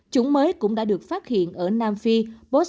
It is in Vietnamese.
chúng mới cũng đã được phát hiện ở nam phi botswana